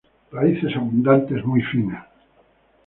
Raíces abundantes, muy finas.